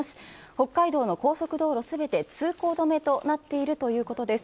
北海道の高速道路全て通行止めとなっているということです。